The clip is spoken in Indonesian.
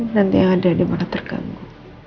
nanti yang ada dimana terganggu